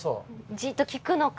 じっと聞くのか。